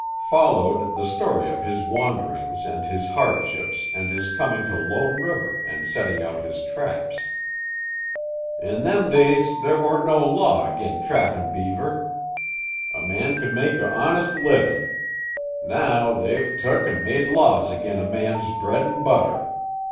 Followed the story of his wanderings and his hardships and his coming to Lone River and setting out his traps. "In them days there weren't no law ag'in' trappin' beaver. A man could make a honest livin'. Now they've tuk an' made laws ag'in' a man's bread an' butter.